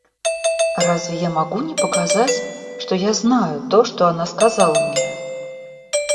Разве я могу не показать, что я знаю то, что она сказала мне?